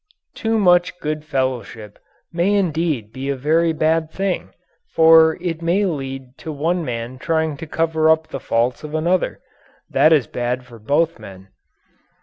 Too much good fellowship may indeed be a very bad thing, for it may lead to one man trying to cover up the faults of another. That is bad for both men.